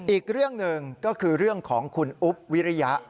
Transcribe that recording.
อีกเรื่องหนึ่งก็คือเรื่องของคุณอุ๊บวิริยะ